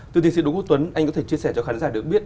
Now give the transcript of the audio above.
từ tiến sĩ đốc quốc tuấn anh có thể chia sẻ cho khán giả được biết